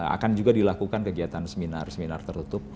akan juga dilakukan kegiatan seminar seminar tertutup